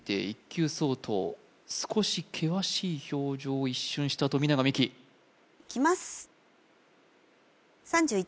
１級相当少し険しい表情を一瞬した富永美樹いきます